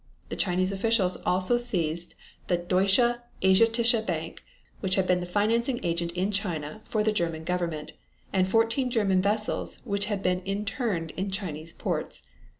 The Chinese officials also seized the Deutsche Asiatiche Bank which had been the financing agent in China for the German Government, and fourteen German vessels which had been interned in Chinese ports.